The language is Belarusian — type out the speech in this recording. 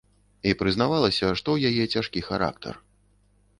І прызнавалася, што ў яе цяжкі характар.